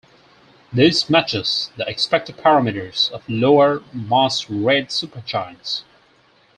This matches the expected parameters of lower mass red supergiants.